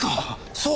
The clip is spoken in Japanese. そう！